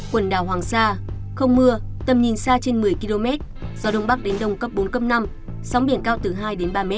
quần đảo hoàng sa không mưa tầm nhìn xa trên một mươi km gió đông bắc đến đông cấp bốn cấp năm sóng biển cao từ hai đến ba m